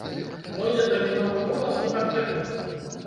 Мой датэрміновы голас непатрэбны.